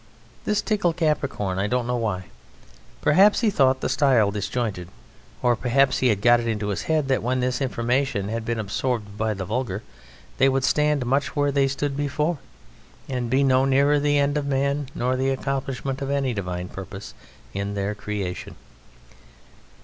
This tickled Capricorn I don't know why. Perhaps he thought the style disjointed or perhaps he had got it into his head that when this information had been absorbed by the vulgar they would stand much where they stood before, and be no nearer the end of man nor the accomplishment of any Divine purpose in their creation.